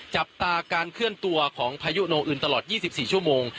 จับตาการเคลื่อนตัวของพายุโนอื่นตลอด๒๔ชั่วโมง